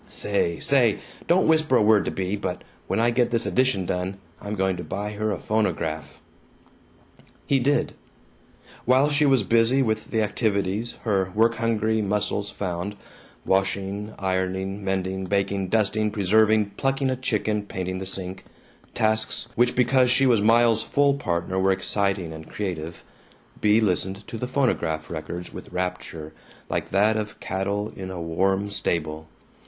Say! Say! Don't whisper a word to Bea, but when I get this addition done, I'm going to buy her a phonograph!" He did. While she was busy with the activities her work hungry muscles found washing, ironing, mending, baking, dusting, preserving, plucking a chicken, painting the sink; tasks which, because she was Miles's full partner, were exciting and creative Bea listened to the phonograph records with rapture like that of cattle in a warm stable.